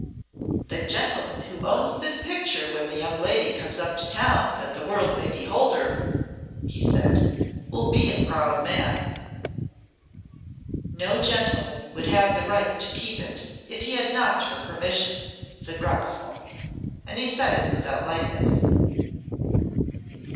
"The gentleman who owns this picture when the young lady comes up to town that the world may behold her," he said, "will be a proud man." "No gentleman would have the right to keep it if he had not her permission," said Roxholm and he said it without lightness.